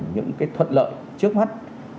những cái thuận lợi trước mắt